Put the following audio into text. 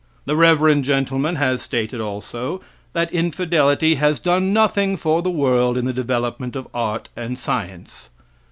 The reverend gentleman has stated also that infidelity has done nothing for the world in the development of art and science.